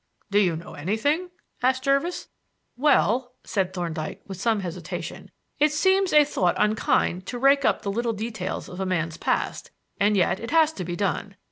"Do you know anything?" asked Jervis. "Well," Thorndyke said, with some hesitation, "it seems a thought unkind to rake up the little details of a man's past, and yet it has to be done.